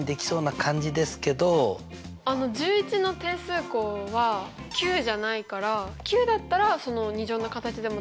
１１の定数項は９じゃないから９だったら２乗の形でも大丈夫だけど。